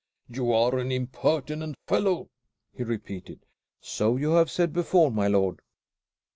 "You are an impertinent fellow!" he repeated. "So you have said before, my lord."